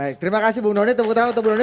baik terima kasih bung doni